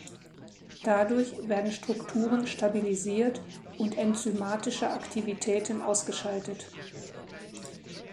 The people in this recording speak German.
Dadurch werden Strukturen stabilisiert und enzymatische Aktivitäten ausgeschaltet.